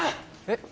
えっ？